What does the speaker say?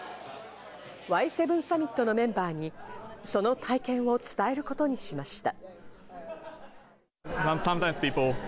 Ｙ７サミットのメンバーにその体験を伝えることにしました。